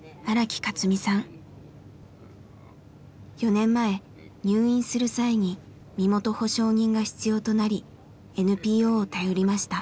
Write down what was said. ４年前入院する際に身元保証人が必要となりＮＰＯを頼りました。